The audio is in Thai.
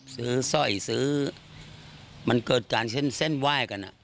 สร้อยซื้อมันเกิดการเส้นเส้นไหว้กัน